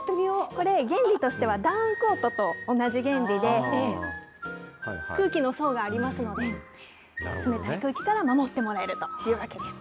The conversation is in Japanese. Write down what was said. これ、原理としては、ダウンコートと同じ原理で、空気の層がありますので、冷たい空気から守ってもらえるというわけです。